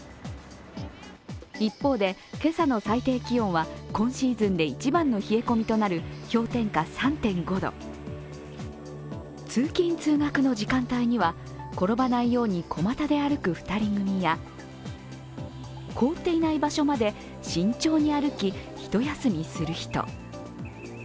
一方で、今朝の最低気温は今シーズンで一番の冷え込みとなる氷点下３．５度通勤・通学の時間帯には、転ばないように小股で歩く２人組や凍っていない場所まで慎重に歩き、一休みする人。